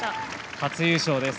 初優勝です。